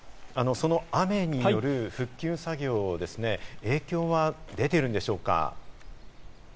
その雨による復旧作業ですね、影響は出ているんでしょうか？